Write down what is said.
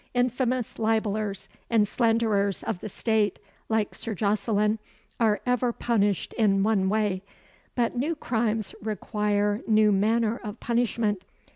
Infamous libellers and slanderers of the State, like Sir Jocelyn, are ever punished in one way; but new crimes require new manner of punishment.